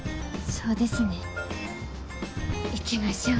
そうですね行きましょう。